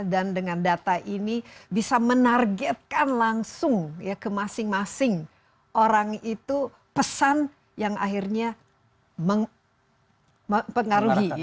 dan dengan data ini bisa menargetkan langsung ya ke masing masing orang itu pesan yang akhirnya mengaruhi